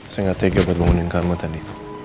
saya gak tega buat bangunin kamu tadi